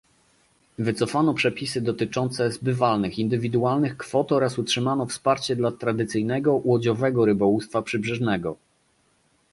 wycofano przepisy dotyczące zbywalnych indywidualnych kwot oraz utrzymano wsparcie dla tradycyjnego łodziowego rybołówstwa przybrzeżnego